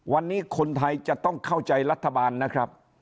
วันนี้คนไทยจะต้องเข้าใจรัฐบาลนะครับ